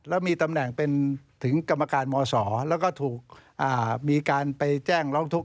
แล้วมีตำแหน่งเป็นถึงกรรมการมศแล้วก็ถูกมีการไปแจ้งร้องทุกข